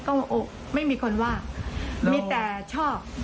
ก็ไม่มีคนว่ามีแต่ชอบ